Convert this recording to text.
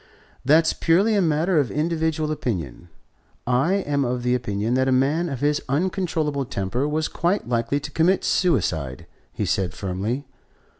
"That's purely a matter of individual opinion. I am of the opinion that a man of his uncontrollable temper was quite likely to commit suicide," he said firmly.